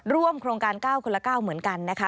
ร่วมโครงการก้าวคนละก้าวเหมือนกันนะคะ